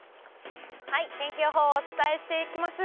天気予報をお伝えしていきます。